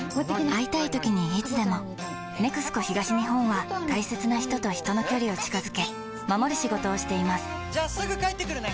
会いたいときにいつでも「ＮＥＸＣＯ東日本」は大切な人と人の距離を近づけ守る仕事をしていますじゃあすぐ帰ってくるね！